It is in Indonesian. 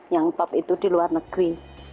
yang top itu di luar negeri